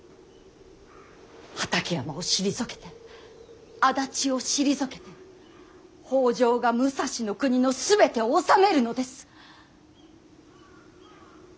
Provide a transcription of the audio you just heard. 畠山を退けて足立を退けて北条が武蔵国の全てを治めるのです。